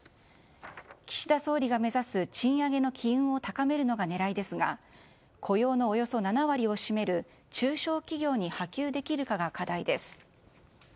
岸田総理が目指す賃上げの機運を高めるのが狙いですが雇用のおよそ７割を占める中小企業に波及できるかが課題です。